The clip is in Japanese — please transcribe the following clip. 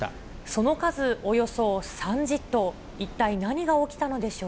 その数およそ３０頭。